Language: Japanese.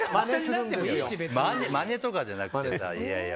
まねとかじゃなくてね。